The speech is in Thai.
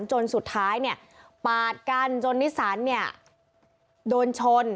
จนสุดท้ายเนี่ยปาดกันจนนิสันเนี่ยโดนชน